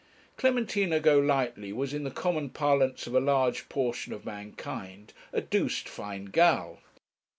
Clementina Golightly was, in the common parlance of a large portion of mankind, a 'doosed fine gal.'